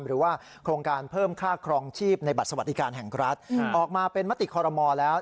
หรือว่าโครงการเพิ่มค่าครองชีพในบัตรสวัสดิการแห่งรัฐออกมาเป็นมติคอรมอลแล้ว